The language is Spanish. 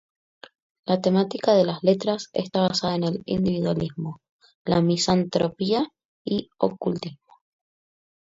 La temática de las letras está basada en el individualismo, la misantropía y Ocultismo.